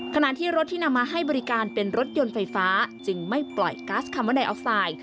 ขณะที่รถที่นำมาให้บริการเป็นรถยนต์ไฟฟ้าจึงไม่ปล่อยกัสคาร์มอนไอออกไซด์